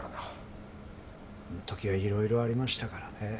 あの時はいろいろありましたからね。